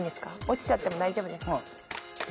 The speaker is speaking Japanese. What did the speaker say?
落ちちゃっても大丈夫ですか？